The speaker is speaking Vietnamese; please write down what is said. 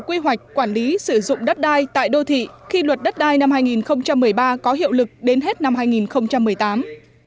quy hoạch quản lý sử dụng đất đai tại đô thị khi luật đất đai năm hai nghìn một mươi ba có hiệu lực đến hết năm hai nghìn một mươi tám